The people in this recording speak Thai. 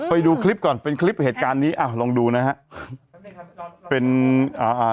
ไปดูคลิปก่อนเป็นคลิปเหตุการณ์นี้อ้าวลองดูนะฮะเป็นอ่าอ่า